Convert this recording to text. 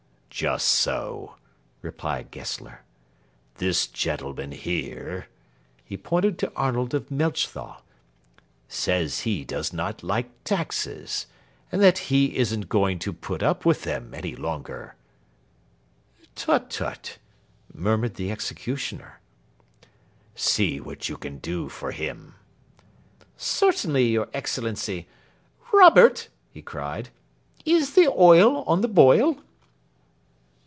"Just so," replied Gessler. "This gentleman here" he pointed to Arnold of Melchthal "says he does not like taxes, and that he isn't going to put up with them any longer." "Tut tut!" murmured the executioner. "See what you can do for him." "Certainly, your Excellency. Robert," he cried, "is the oil on the boil?"